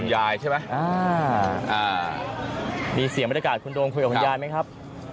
ใช่ไหมอ่าอ่ามีเสี่ยงแรกอาการคุณโดมคุยกับคุณยายไม่ครับ